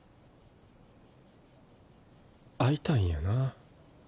会いたいんやなあ